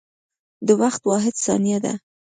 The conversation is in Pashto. د وخت واحد ثانیه ده.